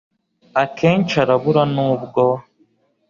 akenshi arabura nubwo